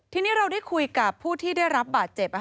ทีนี้เราได้คุยกับผู้ที่ได้รับบาดเจ็บ